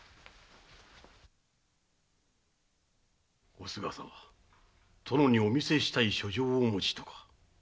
おすがさん殿にお見せしたい書状をお持ちとか？